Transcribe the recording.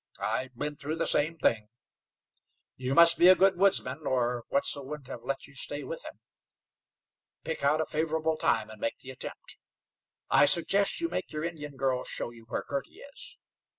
I've been through the same thing. You must be a good woodsman, or Wetzel wouldn't have let you stay with him. Pick out a favorable time and make the attempt. I suggest you make your Indian girl show you where Girty is.